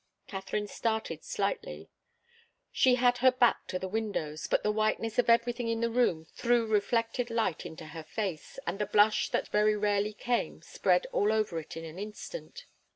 Katharine started slightly. She had her back to the windows, but the whiteness of everything in the room threw reflected light into her face, and the blush that very rarely came spread all over it in an instant.